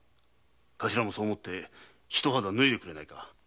頭もそう思って一肌脱いでくれないか。